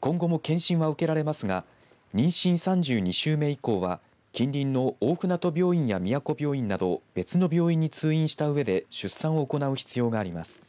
今後も検診は受けられますが妊娠３２週目以降は近隣の大船渡病院や宮古病院など別の病院に通院したうえで出産を行う必要があります。